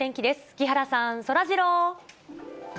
木原さん、そらジロー。